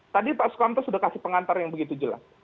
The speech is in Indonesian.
tadi pak sukamta sudah kasih pengantar yang begitu jelas